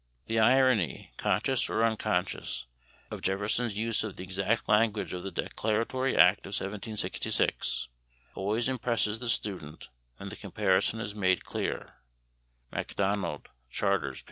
The irony, conscious or unconscious, of Jefferson's use of the exact language of the Declaratory Act of 1766, always impresses the student when the comparison is made clear (Macdonald, Charters, p.